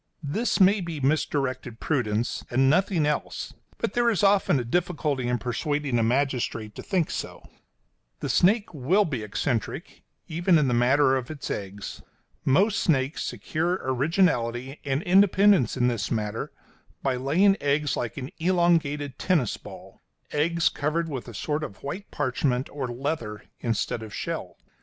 This may be misdirected prudence, and nothing else, but there is often a difficulty in persuading a magistrate to think so. [Illustration: DRUNK TOO SOON.] [Illustration: RESULT.] The snake will be eccentric, even in the matter of its eggs. Most snakes secure originality and independence in this matter by laying eggs like an elongated tennis ball eggs covered with a sort of white parchment or leather instead of shell.